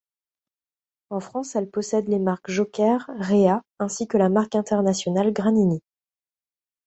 En France, elle possède les marques Joker, Réa, ainsi que la marque internationale Granini.